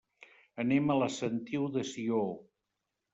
Anem a la Sentiu de Sió.